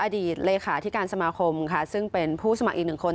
อดีตเลขาที่การสมาคมค่ะซึ่งเป็นผู้สมัครอีกหนึ่งคน